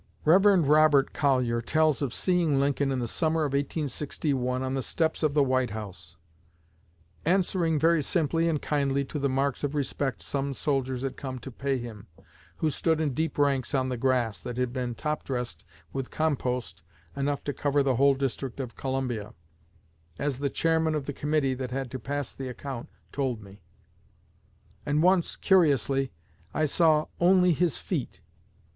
Rev. Robert Collyer tells of seeing Lincoln in the summer of 1861, on the steps of the White House, "answering very simply and kindly to the marks of respect some soldiers had come to pay him, who stood in deep ranks on the grass, that had been top dressed with compost enough to cover the whole District of Columbia, as the chairman of the committee that had to pass the account told me. And once, curiously, I saw only his feet.